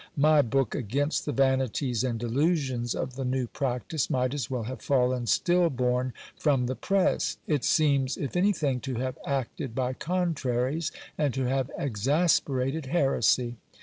My book against the vanities and delusions of the new practice might as well rave fallen still born from the press ; it seems, if anything, to have acted by contraries, and to have exasperated heresy.